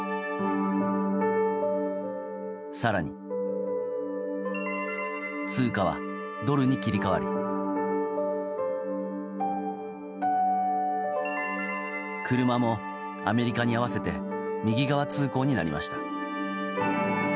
更に、通貨はドルに切り替わり車もアメリカに合わせて右側通行になりました。